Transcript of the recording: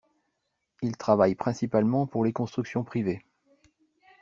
Il travaille principalement pour les constructions privées.